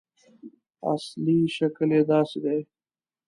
اصلي شکل یې داسې دی.